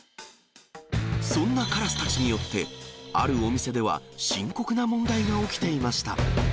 そんなカラスたちによって、あるお店では深刻な問題が起きていました。